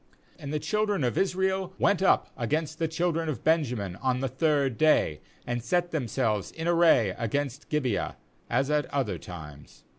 • Heb. Geba. 321 20.30 JUDGES 30And the children of Israel went up against the children of Benjamin on the third day, and set themselves in array against Gibeah, as at other times.